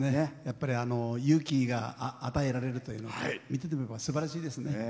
やっぱり勇気が与えられるというのは見ててもすばらしいですね。